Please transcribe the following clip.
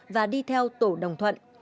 và đi theo tổ đồng thuận